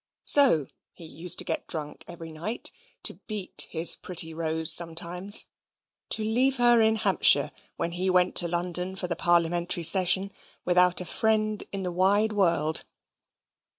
So he used to get drunk every night: to beat his pretty Rose sometimes: to leave her in Hampshire when he went to London for the parliamentary session, without a single friend in the wide world.